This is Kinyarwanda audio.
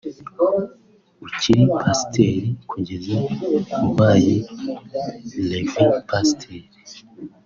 ukiri Pasiteri kugeza ubaye Rev Pasiteri